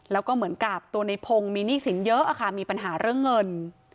แล้วก็เหมือนกับตัวในพงศ์มีหนี้สินเยอะค่ะมีปัญหาเรื่องเงิน